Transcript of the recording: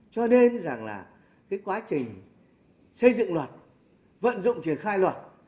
cho nên rằng là cái quá trình xây dựng luật vận dụng triển khai luật